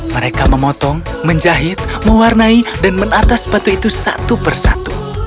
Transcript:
mereka memotong menjahit mewarnai dan menata sepatu itu satu persatu